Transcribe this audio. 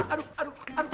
aduh aduh aduh